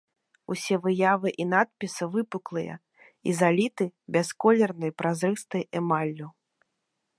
Усе выявы і надпісы выпуклыя і заліты бясколернай, празрыстай эмаллю.